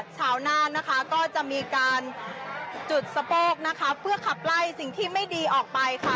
ชาวนานนะคะก็จะมีการจุดสะโพกนะคะเพื่อขับไล่สิ่งที่ไม่ดีออกไปค่ะ